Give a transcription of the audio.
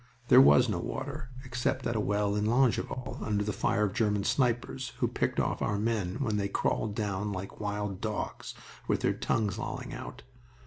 There was no water, except at a well in Longueval, under the fire of German snipers, who picked off our men when they crawled down like wild dogs with their tongues lolling out.